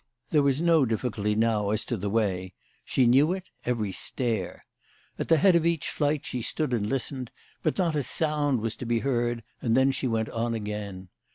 There was no difficulty now as to the way. She knew it, every stair. At the head of each flight she stood and listened, but not a sound was to be heard, and then she went on again.